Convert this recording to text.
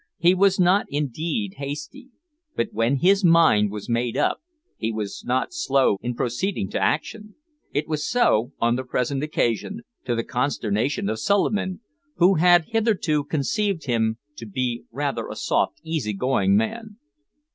He was not, indeed, hasty; but when his mind was made up he was not slow in proceeding to action. It was so on the present occasion, to the consternation of Suliman, who had hitherto conceived him to be rather a soft easy going man.